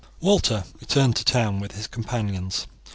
Walter returned to town with his companions.